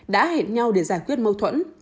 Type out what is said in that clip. đã hẹn nhau để giải quyết mâu thuẫn